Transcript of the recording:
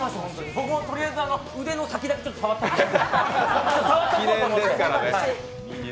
僕もとりあえず、腕の先だけ触ったんで。